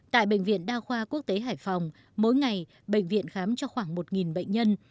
tại bệnh viện đa khoa quốc tế hải phòng mỗi ngày bệnh viện khám cho khoảng một bệnh nhân